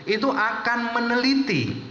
itu akan meneliti